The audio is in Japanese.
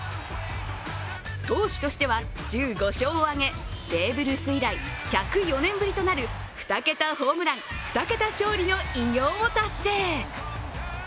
投手としては１５勝を挙げ、ベーブ・ルース以来１０４年ぶりとなる２桁ホームラン２桁勝利の偉業を達成。